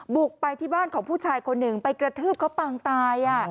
บุกไปที่บ้านของผู้ชายคนหนึ่งไปกระทืบเขาปางตาย